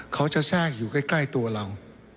เขาจะแทรกอยู่ใกล้ตัวเรา